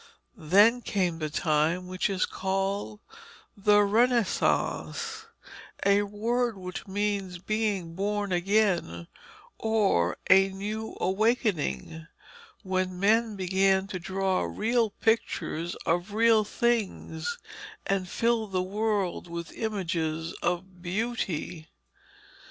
Then came the time which is called 'The Renaissance,' a word which means being born again, or a new awakening, when men began to draw real pictures of real things and fill the world with images of beauty.